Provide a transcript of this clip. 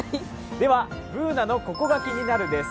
Ｂｏｏｎａの「ココがキニナル」です。